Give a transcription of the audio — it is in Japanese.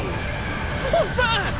おっさん！